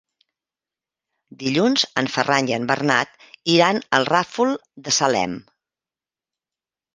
Dilluns en Ferran i en Bernat iran al Ràfol de Salem.